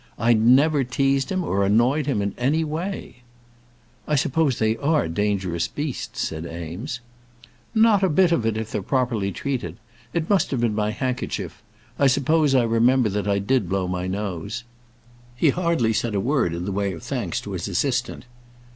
"I never teased him, or annoyed him in any way." "I suppose they are dangerous beasts?" said Eames. "Not a bit of it, if they're properly treated. It must have been my handkerchief, I suppose. I remember that I did blow my nose." He hardly said a word in the way of thanks to his assistant.